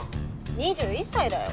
２１歳だよ。